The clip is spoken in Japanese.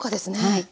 はい。